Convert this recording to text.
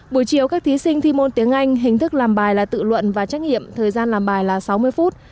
buổi chiều các thí sinh thi môn tiếng anh hình thức làm bài là tự luận và trách nhiệm thời gian làm bài là sáu mươi phút